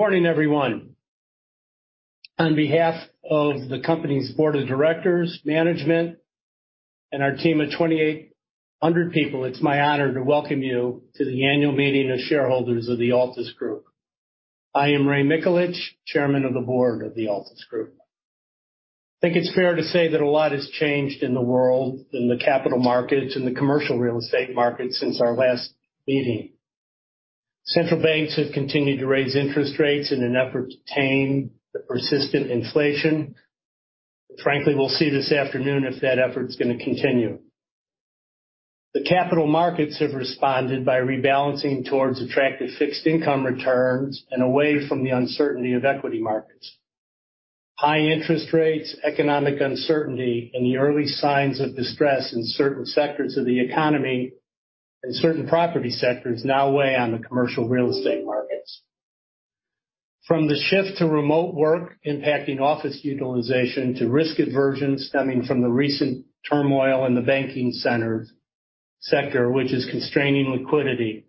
Morning, everyone. On behalf of the company's board of directors, management, and our team of 2,800 people, it's my honor to welcome you to the annual meeting of shareholders of the Altus Group. I am Raymond Mikulich, Chairman of the Board of the Altus Group. I think it's fair to say that a lot has changed in the world, in the capital markets, in the commercial real estate market since our last meeting. Central banks have continued to raise interest rates in an effort to tame the persistent inflation. Frankly, we'll see this afternoon if that effort's gonna continue. The capital markets have responded by rebalancing towards attractive fixed income returns and away from the uncertainty of equity markets. High interest rates, economic uncertainty, and the early signs of distress in certain sectors of the economy and certain property sectors now weigh on the commercial real estate markets. From the shift to remote work impacting office utilization to risk aversion stemming from the recent turmoil in the banking sector, which is constraining liquidity,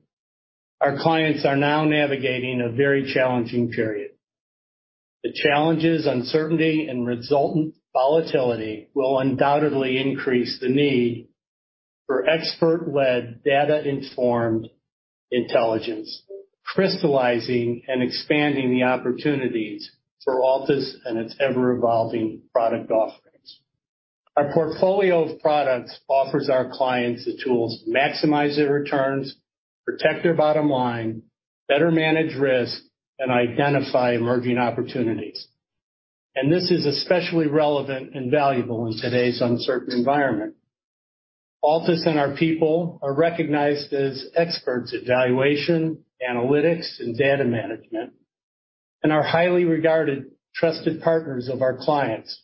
our clients are now navigating a very challenging period. The challenges, uncertainty, and resultant volatility will undoubtedly increase the need for expert-led, data-informed intelligence, crystallizing and expanding the opportunities for Altus and its ever-evolving product offerings. Our portfolio of products offers our clients the tools to maximize their returns, protect their bottom line, better manage risk, and identify emerging opportunities. This is especially relevant and valuable in today's uncertain environment. Altus and our people are recognized as experts in valuation, analytics, and data management, and are highly regarded, trusted partners of our clients.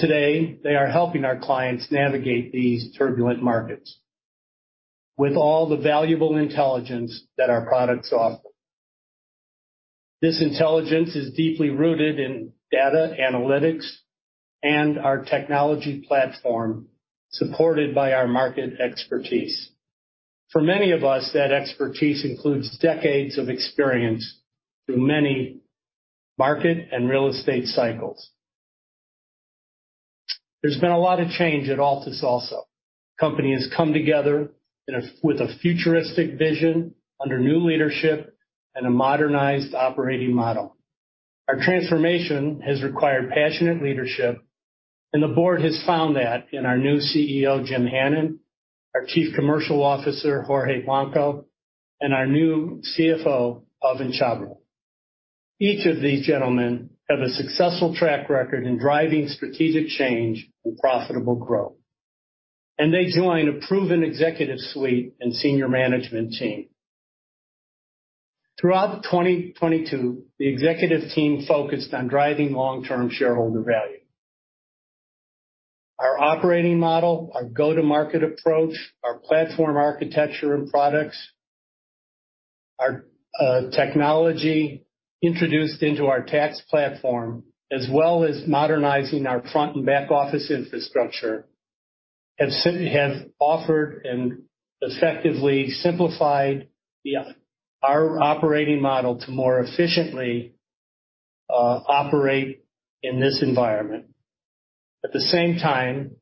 Today, they are helping our clients navigate these turbulent markets with all the valuable intelligence that our products offer. This intelligence is deeply rooted in data analytics and our technology platform, supported by our market expertise. For many of us, that expertise includes decades of experience through many market and real estate cycles. There's been a lot of change at Altus also. Company has come together with a futuristic vision under new leadership and a modernized operating model. Our transformation has required passionate leadership, and the board has found that in our new CEO, Jim Hannon, our Chief Commercial Officer, Jorge Blanco, and our new CFO, Pawan Chhabra. Each of these gentlemen have a successful track record in driving strategic change and profitable growth. They join a proven executive suite and senior management team. Throughout 2022, the executive team focused on driving long-term shareholder value. Our operating model, our go-to-market approach, our platform architecture and products, our technology introduced into our tax platform, as well as modernizing our front and back office infrastructure, have offered and effectively simplified the our operating model to more efficiently operate in this environment. At the same time,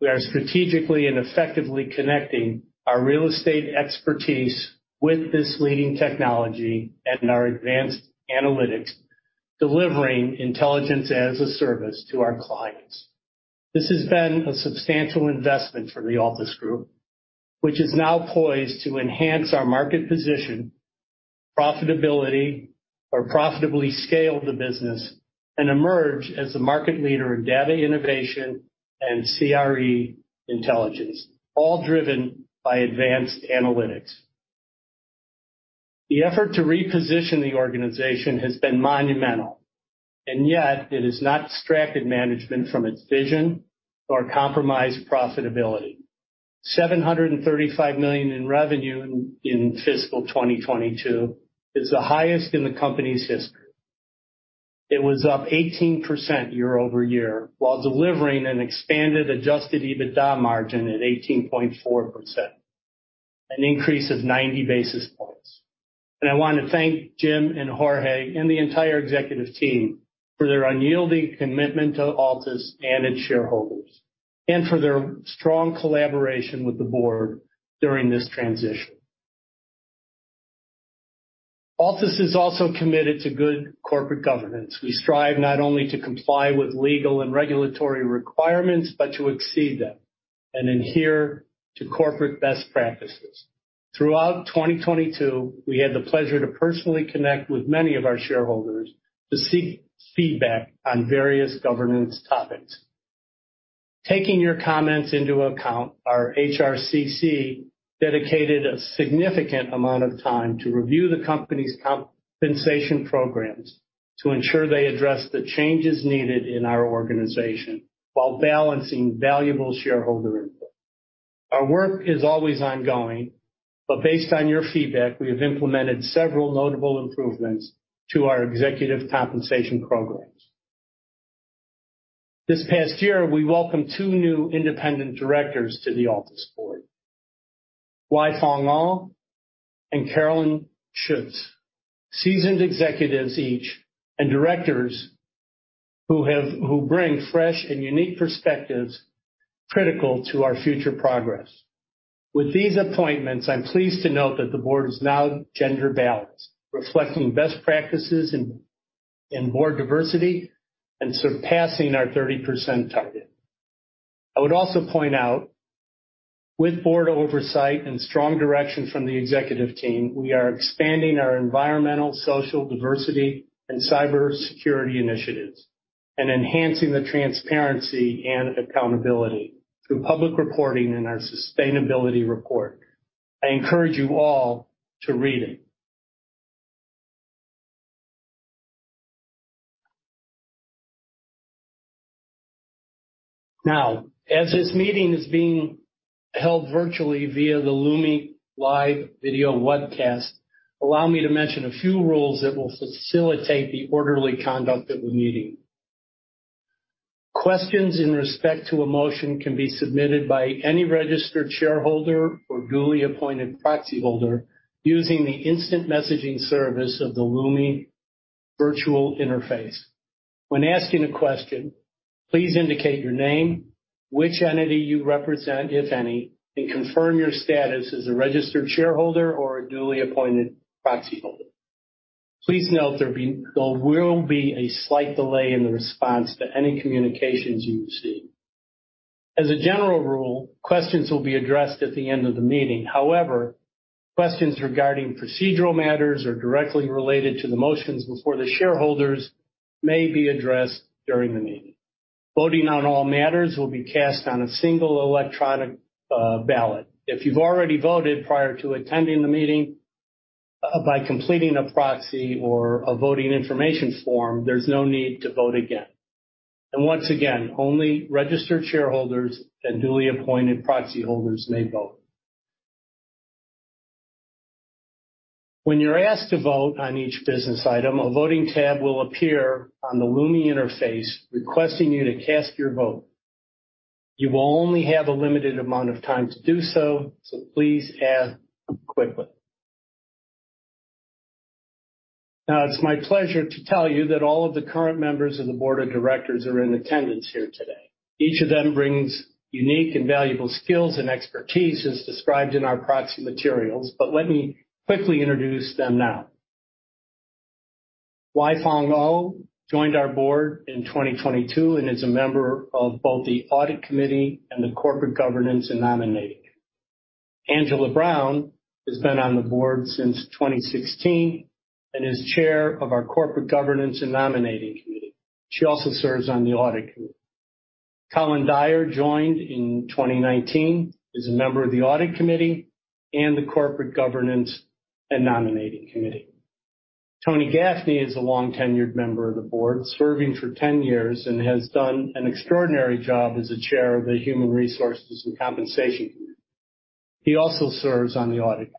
we are strategically and effectively connecting our real estate expertise with this leading technology and our advanced analytics, delivering intelligence as a service to our clients. This has been a substantial investment for the Altus Group, which is now poised to enhance our market position, profitability, or profitably scale the business, and emerge as the market leader in data innovation and CRE Intelligence, all driven by advanced analytics. The effort to reposition the organization has been monumental, and yet it has not distracted management from its vision or compromised profitability. 735 million in revenue in fiscal 2022 is the highest in the company's history. It was up 18% year-over-year, while delivering an expanded Adjusted EBITDA margin at 18.4%, an increase of 90 basis points. I want to thank Jim and Jorge and the entire executive team for their unyielding commitment to Altus and its shareholders, and for their strong collaboration with the board during this transition. Altus is also committed to good corporate governance. We strive not only to comply with legal and regulatory requirements, but to exceed them, and adhere to corporate best practices. Throughout 2022, we had the pleasure to personally connect with many of our shareholders to seek feedback on various governance topics. Taking your comments into account, our HRCC dedicated a significant amount of time to review the company's compensation programs to ensure they address the changes needed in our organization while balancing valuable shareholder input. Based on your feedback, we have implemented several notable improvements to our executive compensation programs. This past year, we welcomed two new independent directors to the Altus board. Wai-Fong Au and Carolyn Schuetz. Seasoned executives each, directors who bring fresh and unique perspectives critical to our future progress. With these appointments, I'm pleased to note that the board is now gender-balanced, reflecting best practices in board diversity and surpassing our 30% target. I would also point out, with board oversight and strong direction from the executive team, we are expanding our environmental, social diversity and cybersecurity initiatives, and enhancing the transparency and accountability through public reporting in our sustainability report. I encourage you all to read it. As this meeting is being held virtually via the LumiLive video webcast, allow me to mention a few rules that will facilitate the orderly conduct of the meeting. Questions in respect to a motion can be submitted by any registered shareholder or duly appointed proxy holder using the instant messaging service of the Lumi virtual interface. When asking a question, please indicate your name, which entity you represent, if any, and confirm your status as a registered shareholder or a duly appointed proxy holder. Please note there will be a slight delay in the response to any communications you receive. As a general rule, questions will be addressed at the end of the meeting. However, questions regarding procedural matters or directly related to the motions before the shareholders may be addressed during the meeting. Voting on all matters will be cast on a single electronic ballot. If you've already voted prior to attending the meeting, by completing a proxy or a voting information form, there's no need to vote again. Once again, only registered shareholders and duly appointed proxy holders may vote. When you're asked to vote on each business item, a voting tab will appear on the Lumi interface requesting you to cast your vote. You will only have a limited amount of time to do so please act quickly. It's my pleasure to tell you that all of the current members of the board of directors are in attendance here today. Each of them brings unique and valuable skills and expertise as described in our proxy materials, but let me quickly introduce them now. Wai-Fong Au joined our board in 2022 and is a member of both the Audit Committee and the Corporate Governance and Nominating. Angela Brown has been on the board since 2016 and is Chair of our Corporate Governance and Nominating Committee. She also serves on the Audit Committee. Colin Dyer joined in 2019, is a member of the Audit Committee and the Corporate Governance and Nominating Committee. Tony Gaffney is a long-tenured member of the board, serving for 10 years, and has done an extraordinary job as the Chair of the Human Resources and Compensation Committee. He also serves on the Audit.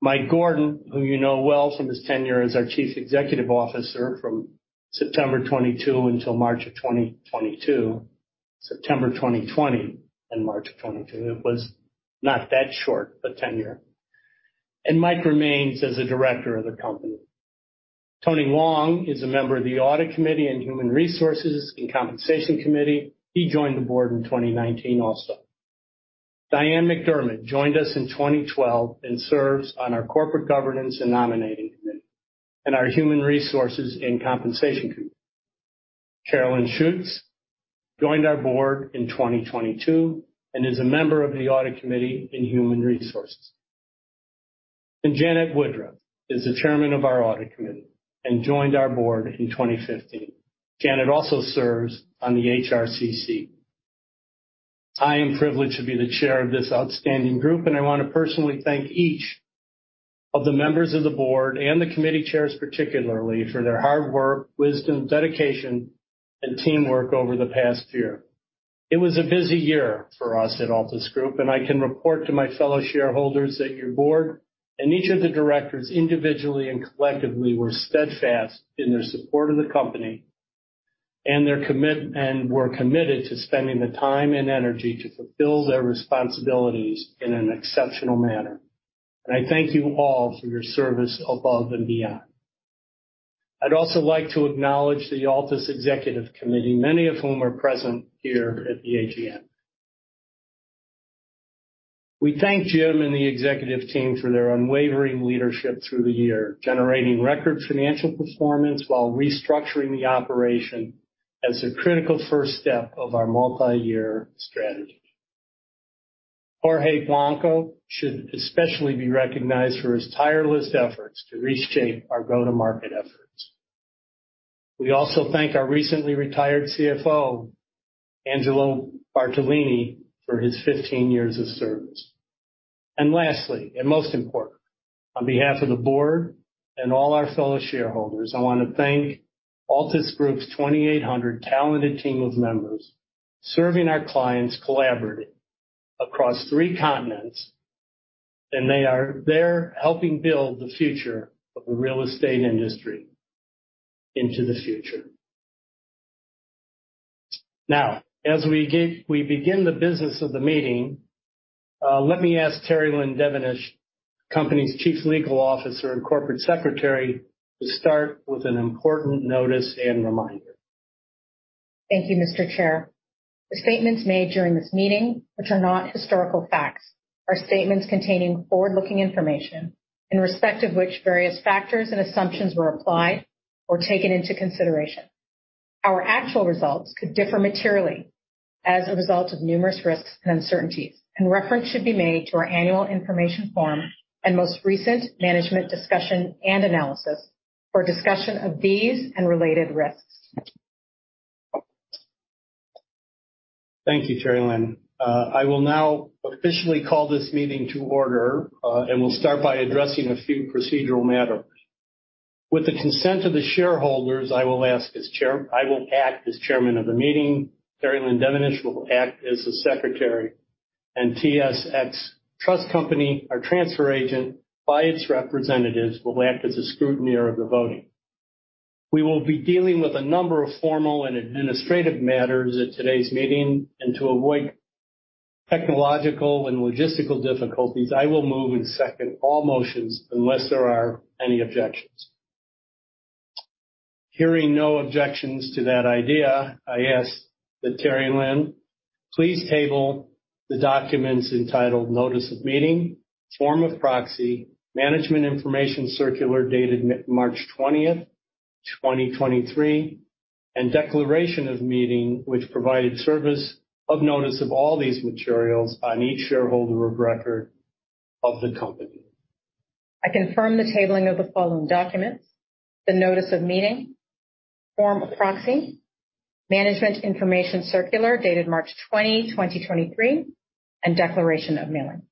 Mike Gordon, who you know well from his tenure as our Chief Executive Officer from September 2022 until March of 2022. September 2020 and March of 2022. It was not that short a tenure. Mike remains as a director of the company. Anthony Long is a member of the Audit Committee and Human Resources and Compensation Committee. He joined the board in 2019 also. Diane MacDiarmid joined us in 2012 and serves on our Corporate Governance and Nominating Committee and our Human Resources and Compensation Committee. Carolyn Schuetz joined our board in 2022 and is a member of the Audit Committee in Human Resources. Janet Woodruff is the Chair of our Audit Committee and joined our board in 2015. Janet also serves on the HRCC. I am privileged to be the chair of this outstanding group, and I wanna personally thank each of the members of the board and the committee chairs, particularly for their hard work, wisdom, dedication, and teamwork over the past year. It was a busy year for us at Altus Group, and I can report to my fellow shareholders that your board and each of the directors, individually and collectively, were steadfast in their support of the company and were committed to spending the time and energy to fulfill their responsibilities in an exceptional manner. I thank you all for your service above and beyond. I'd also like to acknowledge the Altus Executive Committee, many of whom are present here at the AGM. We thank Jim and the executive team for their unwavering leadership through the year, generating record financial performance while restructuring the operation as a critical first step of our multi-year strategy. Jorge Blanco should especially be recognized for his tireless efforts to reshape our go-to-market efforts. We also thank our recently retired CFO, Angelo Bartolini, for his 15 years of service. Lastly, and most importantly, on behalf of the board and all our fellow shareholders, I wanna thank Altus Group's 2,800 talented team of members serving our clients collaboratively across three continents. They are there helping build the future of the real estate industry into the future. Now, as we begin the business of the meeting, let me ask Terrie-Lynne Devonish, company's Chief Legal Officer and Corporate Secretary, to start with an important notice and reminder. Thank you, Mr. Chair. The statements made during this meeting, which are not historical facts, are statements containing forward-looking information in respect of which various factors and assumptions were applied or taken into consideration. Our actual results could differ materially as a result of numerous risks and uncertainties, and reference should be made to our annual information form and most recent management discussion and analysis for a discussion of these and related risks. Thank you, Terrie-Lynne. I will now officially call this meeting to order. We'll start by addressing a few procedural matters. With the consent of the shareholders, I will act as Chairman of the meeting, Terrie-Lynne Devonish will act as the Secretary, TSX Trust Company, our transfer agent, by its representatives, will act as a scrutineer of the voting. We will be dealing with a number of formal and administrative matters at today's meeting. To avoid technological and logistical difficulties, I will move and second all motions unless there are any objections. Hearing no objections to that idea, I ask that Terrie-Lynne please table the documents entitled Notice of Meeting, Form of Proxy, Management Information Circular dated March 20th, 2023, and Declaration of Meeting, which provided service of notice of all these materials on each shareholder of record of the company. I confirm the tabling of the following documents: the Notice of Meeting, Form of Proxy, Management Information Circular dated March 20th, 2023, and Declaration of Mailing.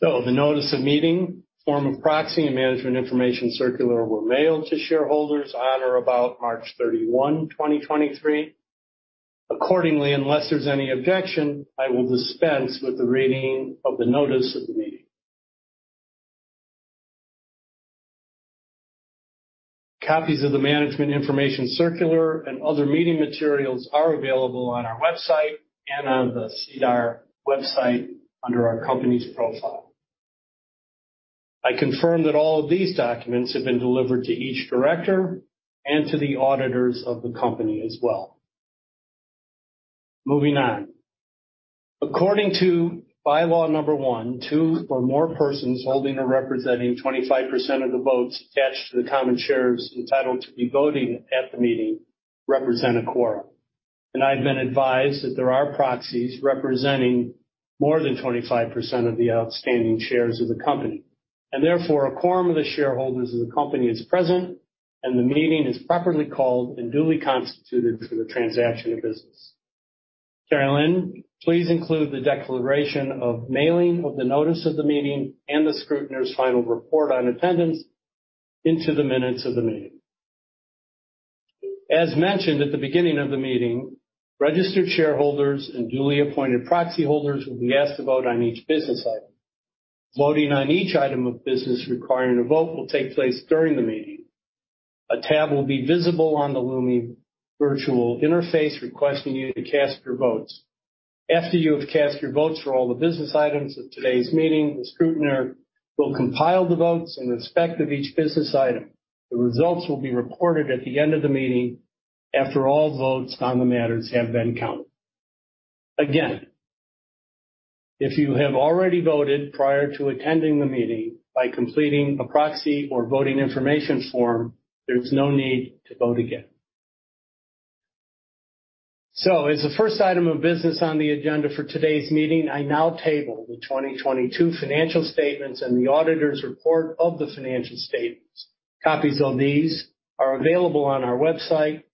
The Notice of Meeting, Form of Proxy, and Management Information Circular were mailed to shareholders on or about March 31, 2023. Accordingly, unless there's any objection, I will dispense with the reading of the notice of the meeting. Copies of the Management Information Circular and other meeting materials are available on our website and on the SEDAR website under our company's profile. I confirm that all of these documents have been delivered to each director and to the auditors of the company as well. Moving on. According to Bylaw Number 1, two or more persons holding or representing 25% of the votes attached to the common shares entitled to be voting at the meeting represent a quorum. I've been advised that there are proxies representing more than 25% of the outstanding shares of the company, and therefore a quorum of the shareholders of the company is present, and the meeting is properly called and duly constituted for the transaction of business. Terrie-Lynne, please include the declaration of mailing of the notice of the meeting and the scrutineer's final report on attendance into the minutes of the meeting. As mentioned at the beginning of the meeting, registered shareholders and duly appointed proxy holders will be asked to vote on each business item. Voting on each item of business requiring a vote will take place during the meeting. A tab will be visible on the Lumi virtual interface requesting you to cast your votes. After you have cast your votes for all the business items at today's meeting, the scrutineer will compile the votes in respect of each business item. The results will be reported at the end of the meeting after all votes on the matters have been counted. Again, if you have already voted prior to attending the meeting by completing a proxy or voting information form, there's no need to vote again. As the first item of business on the agenda for today's meeting, I now table the 2022 financial statements and the auditor's report of the financial statements. Copies of these are available on our website,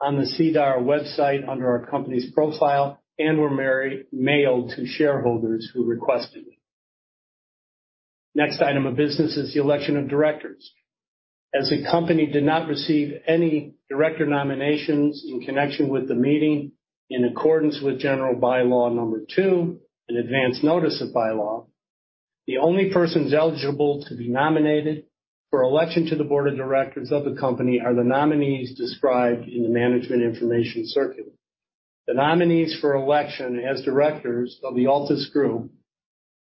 on the SEDAR website under our company's profile, and were mailed to shareholders who requested it. Next item of business is the election of directors. As the company did not receive any director nominations in connection with the meeting in accordance with General Bylaw Number 2, an advance notice of bylaw, the only persons eligible to be nominated for election to the board of directors of the company are the nominees described in the management information circular. The nominees for election as directors of the Altus Group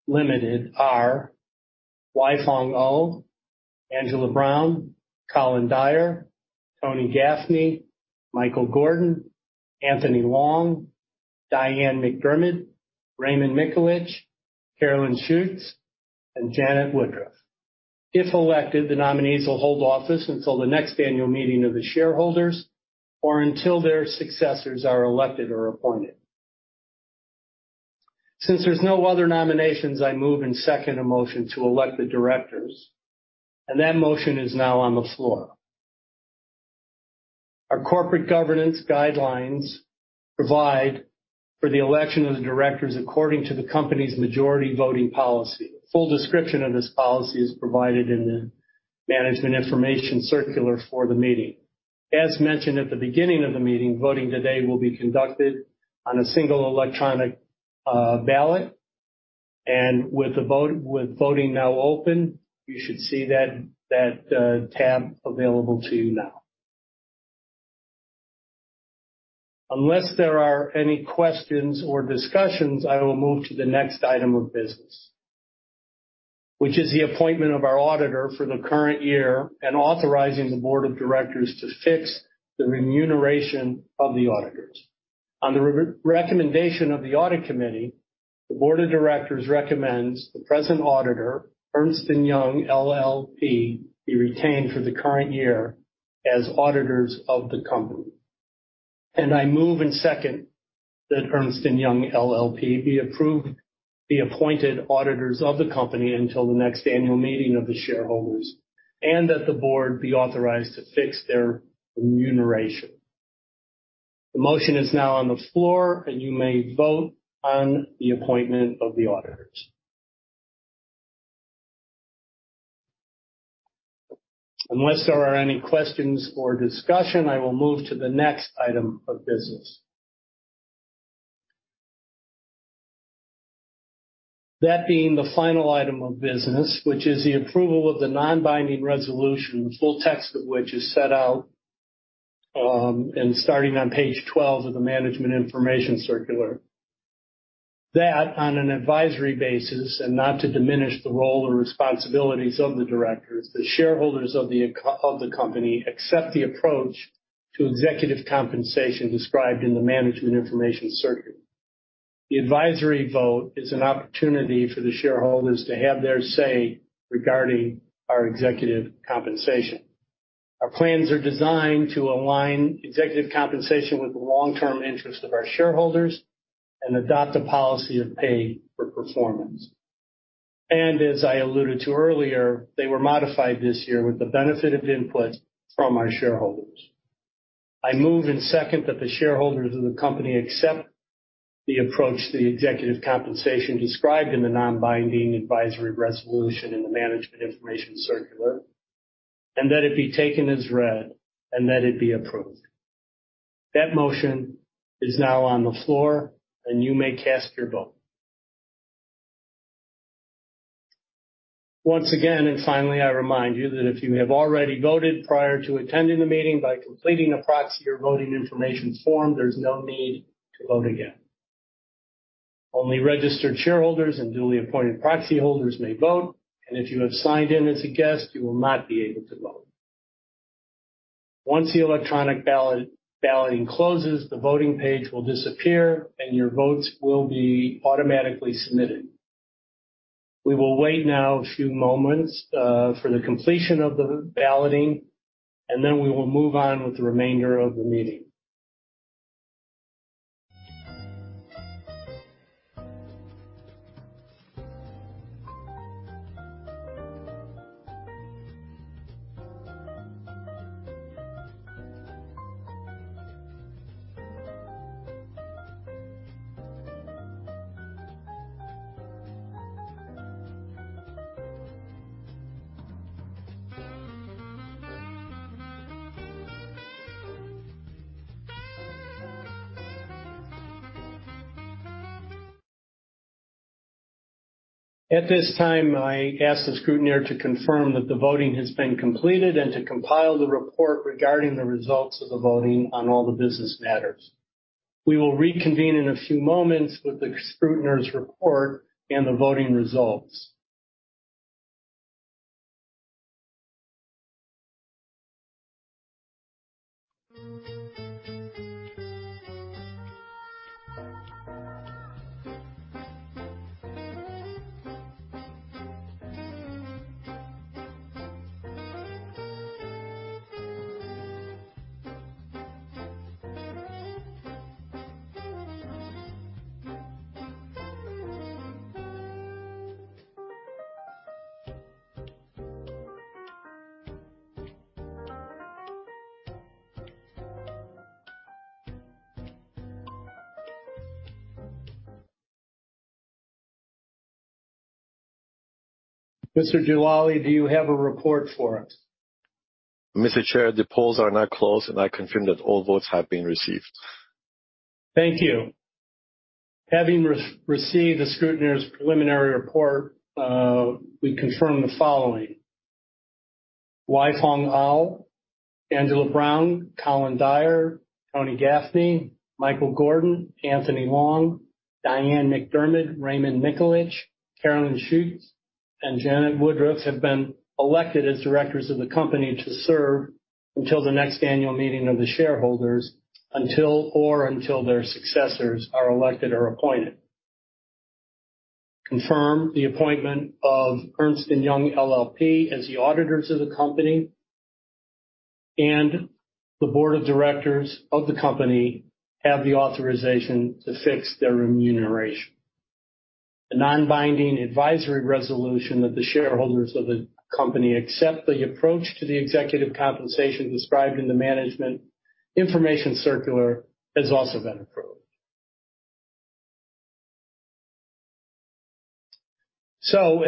Limited are Wai-Fong Au, Angela Brown, Colin Dyer, Tony Gaffney, Michael Gordon, Anthony Long, Diane MacDiarmid, Raymond Mikulich, Carolyn Schuetz, and Janet Woodruff. If elected, the nominees will hold office until the next annual meeting of the shareholders or until their successors are elected or appointed. There's no other nominations, I move and second a motion to elect the directors, and that motion is now on the floor. Our corporate governance guidelines provide for the election of the directors according to the company's majority voting policy. A full description of this policy is provided in the Management Information Circular for the meeting. As mentioned at the beginning of the meeting, voting today will be conducted on a single electronic ballot. With voting now open, you should see that tab available to you now. Unless there are any questions or discussions, I will move to the next item of business, which is the appointment of our auditor for the current year and authorizing the board of directors to fix the remuneration of the auditors. On the re-recommendation of the Audit Committee, the board of directors recommends the present auditor, Ernst & Young LLP, be retained for the current year as auditors of the company. I move and second that Ernst & Young LLP be approved the appointed auditors of the company until the next annual meeting of the shareholders, and that the board be authorized to fix their remuneration. The motion is now on the floor, and you may vote on the appointment of the auditors. Unless there are any questions or discussion, I will move to the next item of business. That being the final item of business, which is the approval of the non-binding resolution, the full text of which is set out in starting on page 12 of the Management Information Circular. That on an advisory basis and not to diminish the role or responsibilities of the directors, the shareholders of the company accept the approach to executive compensation described in the Management Information Circular. The advisory vote is an opportunity for the shareholders to have their say regarding our executive compensation. Our plans are designed to align executive compensation with the long-term interests of our shareholders and adopt a policy of pay for performance. As I alluded to earlier, they were modified this year with the benefit of input from our shareholders. I move and second that the shareholders of the company accept the approach to the executive compensation described in the non-binding advisory resolution in the Management Information Circular, and that it be taken as read and that it be approved. That motion is now on the floor, and you may cast your vote. Once again, finally, I remind you that if you have already voted prior to attending the meeting by completing a proxy or voting information form, there's no need to vote again. Only registered shareholders and duly appointed proxy holders may vote, and if you have signed in as a guest, you will not be able to vote. Once the electronic balloting closes, the voting page will disappear, and your votes will be automatically submitted. We will wait now a few moments for the completion of the balloting, and then we will move on with the remainder of the meeting. At this time, I ask the scrutineer to confirm that the voting has been completed and to compile the report regarding the results of the voting on all the business matters. We will reconvene in a few moments with the scrutineer's report and the voting results. Mr. Jalali, do you have a report for us? Mr. Chair, the polls are now closed, and I confirm that all votes have been received. Thank you. Having re-received the scrutineer's preliminary report, we confirm the following. Wai-Fong Au, Angela Brown, Colin Dyer, Tony Gaffney, Michael Gordon, Anthony Long, Diane MacDiarmid, Raymond Mikulich, Carolyn Schuetz, and Janet Woodruff have been elected as directors of the company to serve until the next annual meeting of the shareholders, until or until their successors are elected or appointed. Confirm the appointment of Ernst & Young LLP as the auditors of the company, and the board of directors of the company have the authorization to fix their remuneration. The non-binding advisory resolution that the shareholders of the company accept the approach to the executive compensation described in the Management Information Circular has also been approved.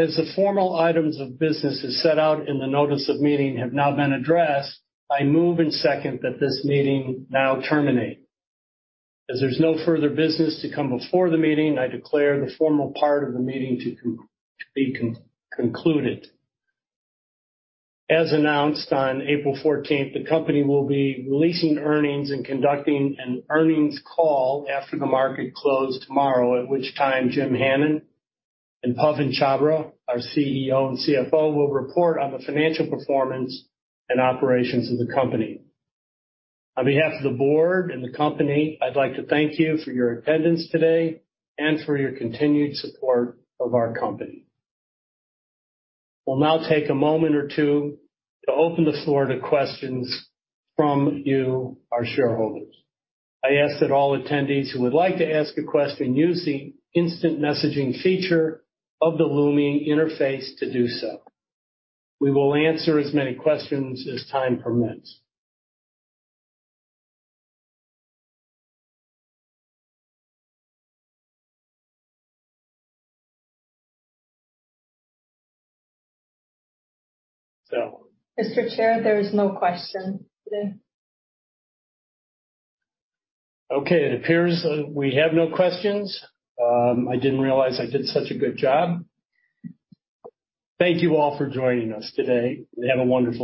As the formal items of business as set out in the notice of meeting have now been addressed, I move and second that this meeting now terminate. As there's no further business to come before the meeting, I declare the formal part of the meeting to be concluded. As announced on April 14th, the company will be releasing earnings and conducting an earnings call after the market closed tomorrow. At which time, Jim Hannon and Pawan Chhabra, our CEO and CFO, will report on the financial performance and operations of the company. On behalf of the board and the company, I'd like to thank you for your attendance today and for your continued support of our company. We'll now take a moment or two to open the floor to questions from you, our shareholders. I ask that all attendees who would like to ask a question use the instant messaging feature of the Lumi interface to do so. We will answer as many questions as time permits. Mr. Chair, there is no question today. It appears that we have no questions. I didn't realize I did such a good job. Thank you all for joining us today. Have a wonderful day.